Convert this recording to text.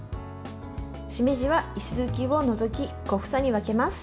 しめじは石突きを除き小房に分けます。